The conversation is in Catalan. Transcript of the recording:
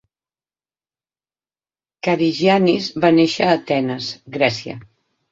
Karygiannis va néixer a Atenes, Grècia.